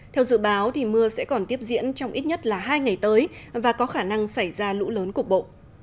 theo dự báo mưa sẽ còn tiếp diễn trong ít nhất là hai ngày tới và có khả năng xảy ra lũ lớn cục bộ